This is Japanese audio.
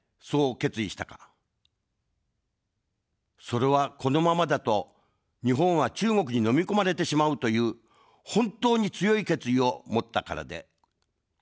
それは、このままだと日本は中国に飲み込まれてしまうという、本当に強い決意を持ったからでございます。